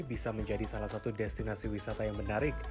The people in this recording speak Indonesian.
bisa menjadi salah satu destinasi wisata yang menarik